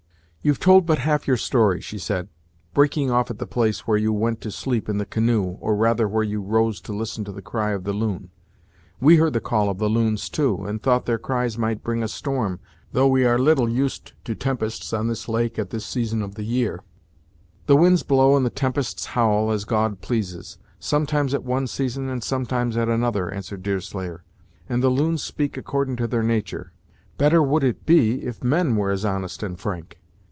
"You've told but half your story," she said, "breaking off at the place where you went to sleep in the canoe or rather where you rose to listen to the cry of the loon. We heard the call of the loons, too, and thought their cries might bring a storm, though we are little used to tempests on this lake at this season of the year." "The winds blow and the tempests howl as God pleases; sometimes at one season, and sometimes at another," answered Deerslayer; "and the loons speak accordin' to their natur'. Better would it be if men were as honest and frank.